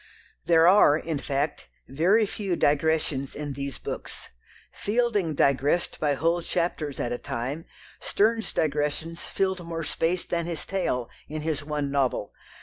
There are, in fact, very few digressions in these books. Fielding "digressed" by whole chapters at a time, Sterne's digressions filled more space than his tale in his one "novel."